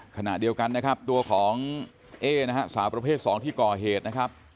ขณะเดียวกันนะครับตัวของเอ๊นะฮะสาวประเภท๒ที่ก่อเหตุนะครับ